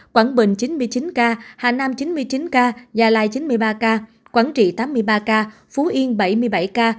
quảng bình chín mươi chín ca hà nam chín mươi chín ca gia lai chín mươi ba ca quảng trị tám mươi ba ca phú yên bảy mươi bảy ca